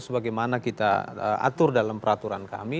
sebagaimana kita atur dalam peraturan kami